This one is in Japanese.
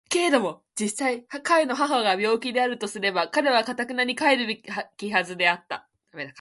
けれども実際彼の母が病気であるとすれば彼は固より帰るべきはずであった。